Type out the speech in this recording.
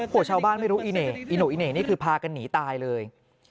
โอ้โหชาวบ้านไม่รู้อีเน่อีโนอิเน่นี่คือพากันหนีตายเลย